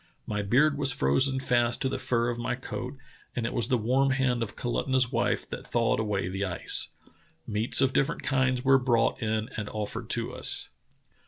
My beard was frozen fast to the fur of my coat, and it was the warm hand of Kalutunah's wife that thawed away the ice. Meats of different kinds were brought in and offered to us."